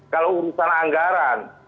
kalau urusan anggaran